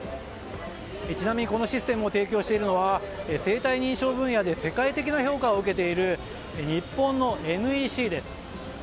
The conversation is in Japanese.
ちなみにこのシステムを提供しているのは生体認証分野で世界的な評価を受けている日本のＮＥＣです。